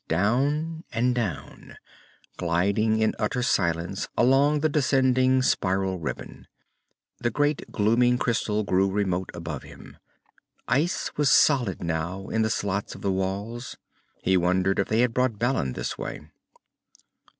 Down and down, gliding in utter silence along the descending spiral ribbon. The great glooming crystal grew remote above him. Ice was solid now in the slots of the walls. He wondered if they had brought Balin this way.